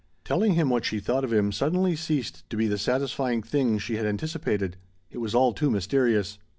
Telling him what she thought of him suddenly ceased to be the satisfying thing she had anticipated. It was all too mysterious.